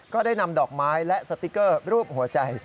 ก็ได้นำดอกไม้และสติ๊กเกอร์รูปหัวใจ